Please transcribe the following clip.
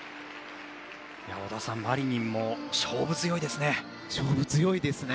織田さん、マリニンも勝負強いですね。